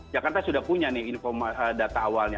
jakarta sudah punya nih data awalnya